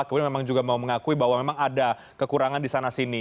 kemudian memang juga mau mengakui bahwa memang ada kekurangan di sana sini